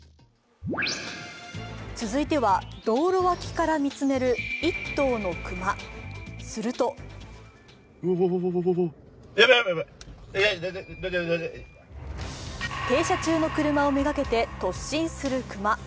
続いては、道路脇から見つめる、一頭の熊、すると停車中の車をめがけて突進する熊。